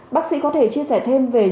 bác sĩ có thể chia sẻ thêm về những